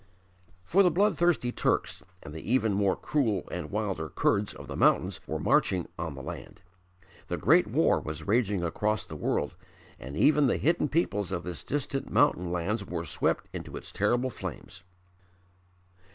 For the bloodthirsty Turks and the even more cruel and wilder Kurds of the mountains were marching on the land. The Great War was raging across the world and even the hidden peoples of this distant mountain land were swept into its terrible flames.